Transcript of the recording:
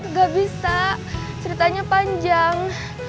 nggak bisa ceritanya panjang